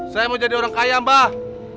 saya mau jadi orang kaya mbah